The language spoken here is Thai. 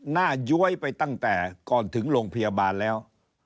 ย้วยไปตั้งแต่ก่อนถึงโรงพยาบาลแล้ว